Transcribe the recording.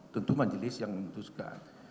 tentu majelis yang memutuskan